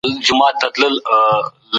هر انسان د خپل عمل مسؤل دی.